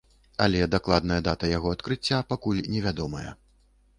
Але дакладная дата яго адкрыцця пакуль невядомая.